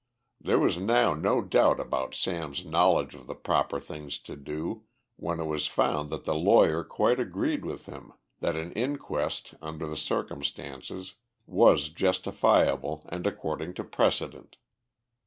There was now no doubt about Sam's knowledge of the proper thing to do, when it was found that the lawyer quite agreed with him that an inquest, under the circumstances, was justifiable and according to precedent.